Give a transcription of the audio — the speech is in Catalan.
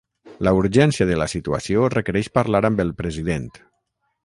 La urgència de la situació requereix parlar amb el president.